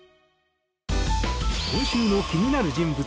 今週の気になる人物